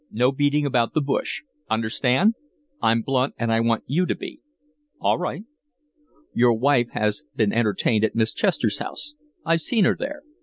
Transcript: No beating about the bush. Understand? I'm blunt, and I want you to be." "All right." "Your wife has been entertained at Miss Chester's house. I've seen her there.